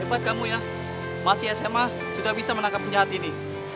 debat kamu ya masih sma sudah bisa menangkap penjahat ini